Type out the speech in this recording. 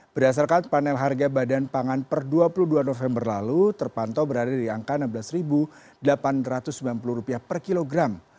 berdasarkan panel harga badan pangan per dua puluh dua november lalu terpantau berada di angka rp enam belas delapan ratus sembilan puluh per kilogram